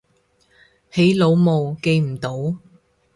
起腦霧記唔到